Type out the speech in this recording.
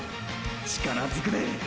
力ずくで！！